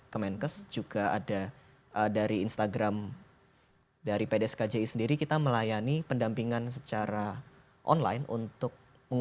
kemenkes juga ada dari instagram dari pdskji sendiri kita melayani pendampingan secara online untuk